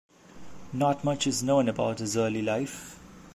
Not much is known about his early life.